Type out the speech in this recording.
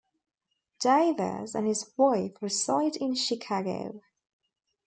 Davis and his wife reside in Chicago.